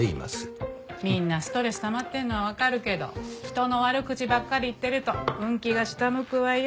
みんなストレスたまってるのはわかるけど人の悪口ばっかり言ってると運気が下向くわよ。